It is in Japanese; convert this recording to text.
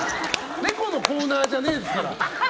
ネコのコーナーじゃねえんすから。